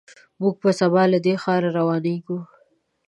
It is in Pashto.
موږ به سبا له دې ښار روانېږو.